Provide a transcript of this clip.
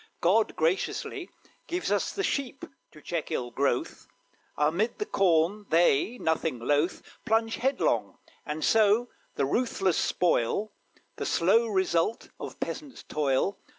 God graciously Gives us the sheep to check ill growth; Amid the corn they, nothing loath, Plunge headlong, and so, ruthless, spoil The slow result of peasants' toil.